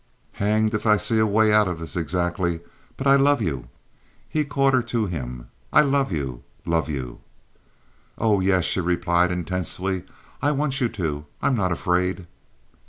"Hanged if I see the way out of this, exactly. But I love you!" He caught her to him. "I love you—love you!" "Oh, yes," she replied intensely, "I want you to. I'm not afraid."